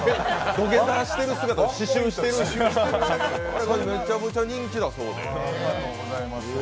土下座している姿を刺しゅうしているんですが、あれがめちゃくちゃ人気なそうで。